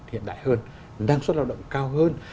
hiện đại hơn năng suất lao động cao hơn